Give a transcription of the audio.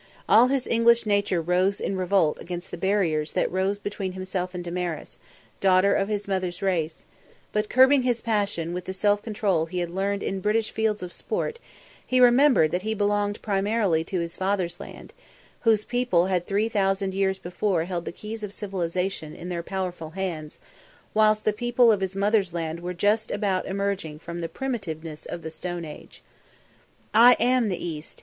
All his English nature rose in revolt against the barriers that rose between himself and Damaris, daughter of his mother's race; but, curbing his passion with the self control he had learned in British fields of sport, he remembered that he belonged primarily to his father's land, whose people had three thousand years before held the keys of civilisation in their powerful hands, whilst the people of his mother's land were just about emerging from the primitiveness of the Stone Age. "I am the East!"